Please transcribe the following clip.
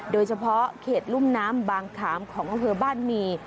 โดยเฉพาะเขตรุ่มน้ำบางขามของเฮอร์บ้านมี